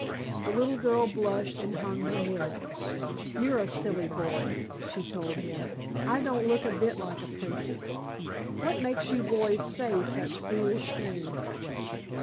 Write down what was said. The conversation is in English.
The little girl blushed and hung her head. "You're a silly boy," she told him. "I don't look a bit like a princess. What makes you boys say such foolish things?"